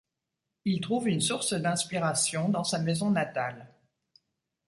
Il trouve une source d'inspiration dans sa maison natale.